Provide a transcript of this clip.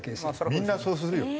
みんなそうするよ。